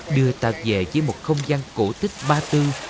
đưa ta về với một không gian cổ tích ba tư